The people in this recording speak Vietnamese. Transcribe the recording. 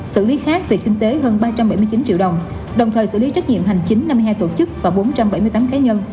xử lý khác về kinh tế hơn ba trăm bảy mươi chín triệu đồng đồng thời xử lý trách nhiệm hành chính năm mươi hai tổ chức và bốn trăm bảy mươi tám cá nhân